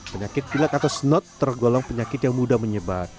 penyakit pilek atau snot tergolong penyakit yang mudah menyebar